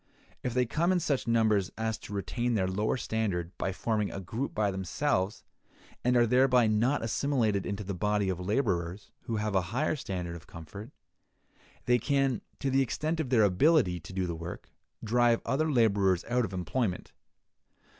If they come in such numbers as to retain their lower standard by forming a group by themselves, and are thereby not assimilated into the body of laborers who have a higher standard of comfort, they can, to the extent of their ability to do work, drive other laborers out of employment.